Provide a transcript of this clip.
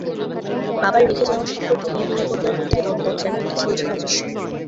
বাবার রেখে যাওয়া সম্পত্তি নিয়ে ভাইবোনদের মধ্যে দ্বন্দ্ব যেন একটি চিরচেনা দৃশ্য।